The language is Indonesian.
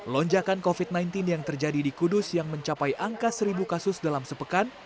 lonjakan covid sembilan belas yang terjadi di kudus yang mencapai angka seribu kasus dalam sepekan